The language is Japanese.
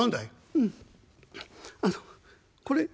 「うんあのこれ」。